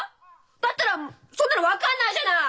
だったらそんなの分かんないじゃない！